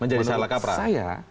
menjadi salah kapra